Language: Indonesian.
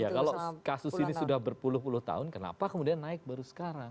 ya kalau kasus ini sudah berpuluh puluh tahun kenapa kemudian naik baru sekarang